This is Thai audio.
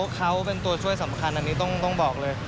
เขาเป็นตัวช่วยสำคัญอันนี้ต้องบอกเลย